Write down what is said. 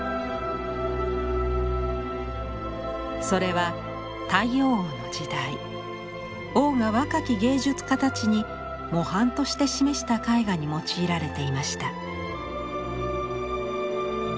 それは太陽王の時代王が若き芸術家たちに模範として示した絵画に用いられていました。